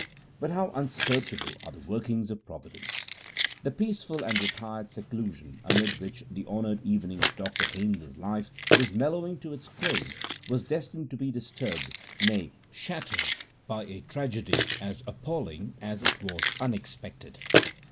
But how unsearchable are the workings of Providence! The peaceful and retired seclusion amid which the honoured evening of Dr Haynes' life was mellowing to its close was destined to be disturbed, nay, shattered, by a tragedy as appalling as it was unexpected.